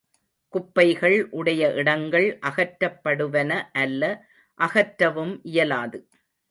குப்பைகள் உடைய இடங்கள் அகற்றப்படுவன அல்ல அகற்றவும் இயலாது.